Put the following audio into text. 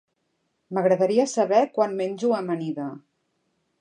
M'agradaria saber quan menjo amanida.